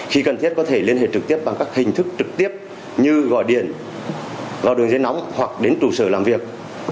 khi cần thiết có thể liên hệ trực tiếp bằng các hình thức trực tiếp như gọi điện vào đường dây nóng hoặc đến trụ sở làm việc